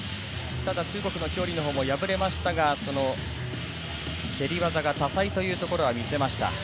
中国のキョウ・リのほうも敗れましたが、蹴り技が多彩というところは見せました。